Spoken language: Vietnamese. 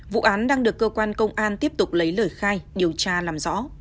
vụ án đang được cơ quan công an tiếp tục lấy lời khai điều tra làm rõ